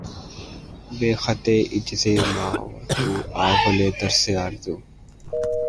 ہے خطِ عجز مَاو تُو اَوّلِ درسِ آرزو